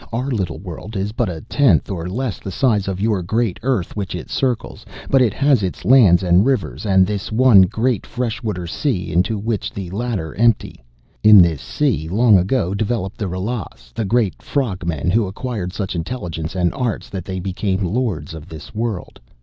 Our little world is but a tenth or less the size of your great Earth which it circles, but it has its lands and rivers, and this one great fresh water sea into which the latter empty. In this sea long ago developed the Ralas, the great frog men who acquired such intelligence and arts that they became lords of this world.